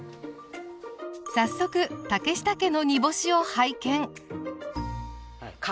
早速竹下家の煮干しを拝見。